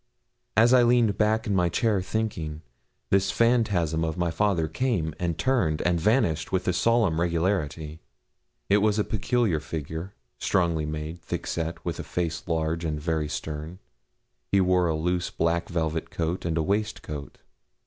As I leaned back in my chair thinking, this phantasm of my father came, and turned, and vanished with a solemn regularity. It was a peculiar figure, strongly made, thick set, with a face large, and very stern; he wore a loose, black velvet coat and waistcoat.